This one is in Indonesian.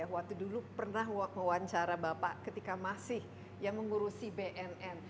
waktu dulu pernah mewawancara bapak ketika masih yang mengurusi bnn